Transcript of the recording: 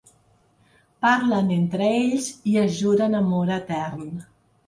Parlen entre ells i es juren amor etern.